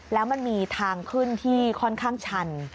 แล้วมันมีทางขึ้นที่ค่อนข้างชัน